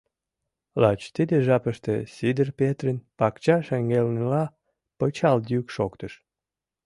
Лач тиде жапыште Сидыр Петрын пакча шеҥгелныла пычал йӱк шоктыш.